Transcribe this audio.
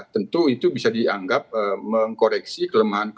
tentu itu bisa dianggap mengkoreksi kelemahan